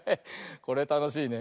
これたのしいね。